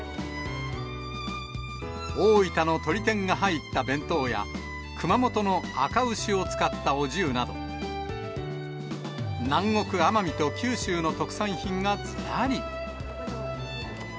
大分のとり天が入った弁当や、熊本の赤牛を使ったお重など、南国、奄美と九州の特産品がずらり。